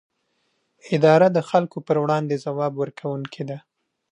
اداره د خلکو پر وړاندې ځواب ورکوونکې ده.